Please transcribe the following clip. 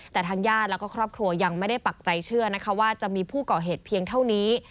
แต่ทางญาติแล้วก็ครอบครัวยังไม่ได้ปักใจเชื่อนะคะว่าจะมีผู้ก่อเหตุเพียงเท่านี้